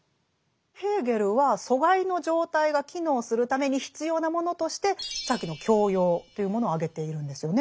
ヘーゲルは疎外の状態が機能するために必要なものとしてさっきの「教養」というものを挙げているんですよね。